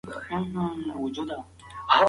پوهه تر ټولو لوی ځواک دی.